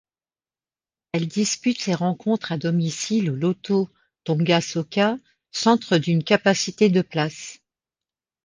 Elle dispute ses rencontres à domicile au Loto-Tonga Soka Centre d'une capacité de places.